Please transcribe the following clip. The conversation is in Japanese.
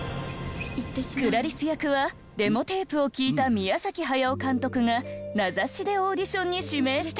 クラリス役はデモテープを聴いた宮崎駿監督が名指しでオーディションに指名したという。